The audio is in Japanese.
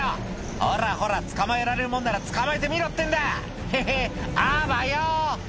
「ほらほら捕まえられるもんなら捕まえてみろってんだヘヘっあばよ」